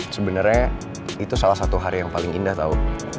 sebenarnya itu salah satu hari yang paling indah tau